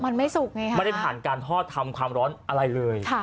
มันไม่ได้ผ่านการทอดทำความร้อนอะไรเลย